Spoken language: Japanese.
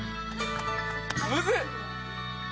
むずっ！